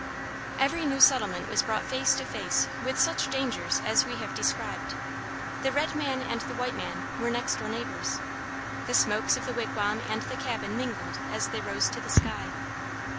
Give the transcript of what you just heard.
Every new settlement was brought face to face with such dangers as we have described. The red man and the white man were next door neighbors. The smokes of the wigwam and the cabin mingled as they rose to the sky.